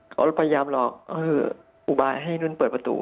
เขาพยายามหลอกอุบายให้นุ่นเปิดประตู